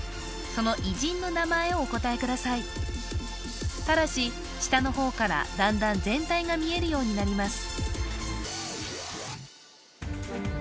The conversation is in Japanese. その偉人の名前をお答えくださいただし下の方からだんだん全体が見えるようになります